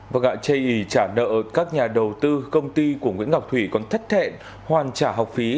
và ngại chây ý trả nợ các nhà đầu tư công ty của nguyễn ngọc thủy còn thất hẹn hoàn trả học phí